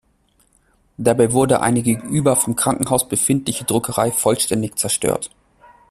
Dabei wurde eine gegenüber vom Krankenhaus befindliche Druckerei vollständig zerstört.